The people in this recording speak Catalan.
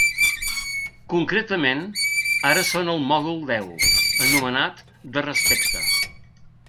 Concretament, ara són al mòdul deu, anomenat ‘de respecte’.